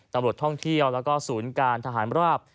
ตำรวจท่องเที่ยวแล้วก็ศูนย์การทหารราบ